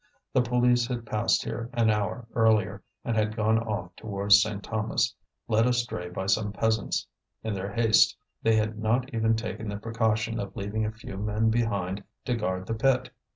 The police had passed here an hour earlier, and had gone off towards Saint Thomas, led astray by some peasants; in their haste they had not even taken the precaution of leaving a few men behind to guard the pit.